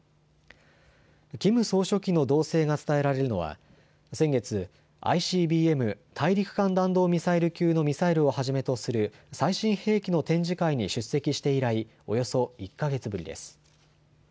キム総書記の動静が伝えられるのは先月、ＩＣＢＭ・大陸間弾道ミサイル級のミサイルをはじめとする最新兵器の展示会に出席して以来およそ１か月ぶりです。